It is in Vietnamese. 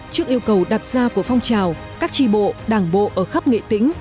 trước yêu cầu đặt ra của phong trào các tri bộ đảng bộ ở khắp nghệ tĩnh